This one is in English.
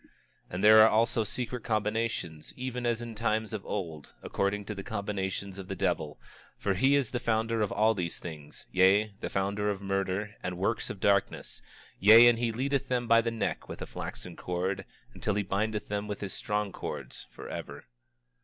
26:22 And there are also secret combinations, even as in times of old, according to the combinations of the devil, for he is the founder of all these things; yea, the founder of murder, and works of darkness; yea, and he leadeth them by the neck with a flaxen cord, until he bindeth them with his strong cords forever.